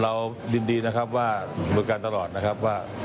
เรารียินดีว่ารุจการตลอดนะครับว่า